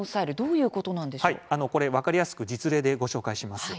はい、これ分かりやすく実例でご紹介します。